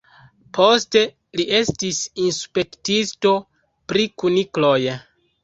Poste li estis inspektisto pri kunikloj.